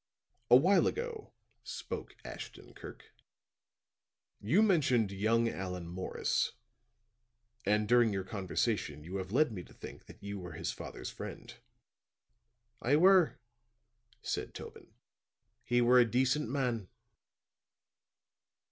"A while ago," spoke Ashton Kirk, "you mentioned young Allan Morris; and during your conversation you have led me to think that you were his father's friend." "I were," said Tobin. "He were a decent man."